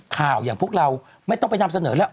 อย่างพวกเราไม่ต้องไปนำเสนอแล้ว